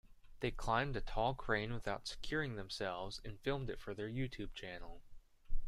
They climbed a tall crane without securing themselves and filmed it for their YouTube channel.